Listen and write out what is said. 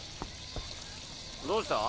どうした？